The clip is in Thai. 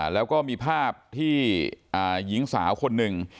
แล้วก็มีภาพที่หญิงสาวคนหนึ่ง